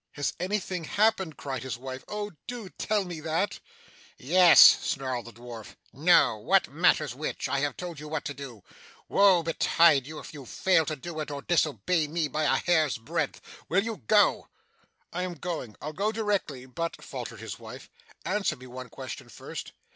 'Has anything happened?' cried his wife. 'Oh! Do tell me that?' 'Yes,' snarled the dwarf. 'No. What matter which? I have told you what to do. Woe betide you if you fail to do it, or disobey me by a hair's breadth. Will you go!' 'I am going, I'll go directly; but,' faltered his wife, 'answer me one question first.